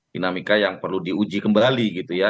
dinamika yang perlu diuji kembali gitu ya